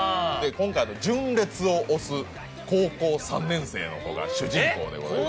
今回純烈を推す高校３年生の子が主人公でございます。